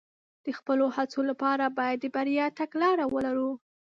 د خپلو هڅو لپاره باید د بریا تګلاره ولرو.